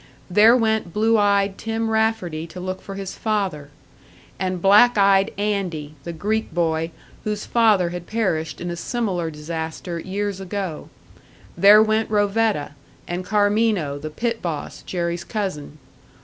There went blue eyed Tim Rafferty to look for his father, and black eyed "Andy," the Greek boy, whose father had perished in a similar disaster years ago; there went Rovetta, and Carmino, the pit boss, Jerry's cousin.